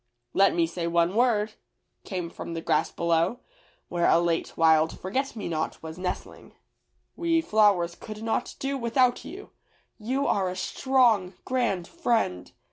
"Let me say one word," came from the grass below, where a late wild forget me not was nestling. "We flowers could not do without you. You are a strong, grand friend.